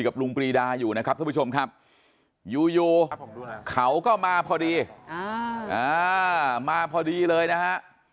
กับลุงปรีดาอยู่นะครับท่านผู้ชมครับอยู่เขาก็มาพอดีมาพอดีเลยนะฮะ